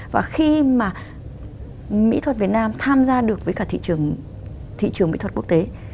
và khi mà mỹ thuật việt nam tham gia được với cả thị trường thị trường mỹ thuật quốc tế